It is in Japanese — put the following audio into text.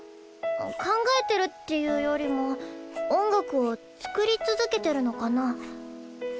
考えてるっていうよりも音楽を作り続けてるのかな。